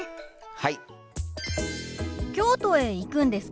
はい。